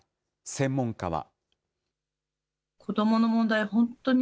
専門家は。